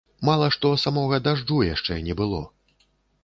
Мала што самога дажджу яшчэ не было!